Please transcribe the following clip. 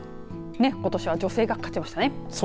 ことしは女性が勝ちましたね。